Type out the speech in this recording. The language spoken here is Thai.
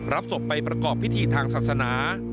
รับศพไปประกอบพิธีทางศาสนา